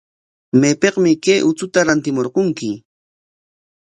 ¿Maypikmi kay uchuta rantimurqunki?